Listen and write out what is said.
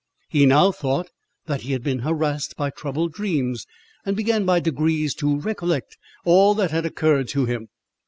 He now thought that he had been harassed by troubled dreams, and began by degrees to recollect all that had occurred to him.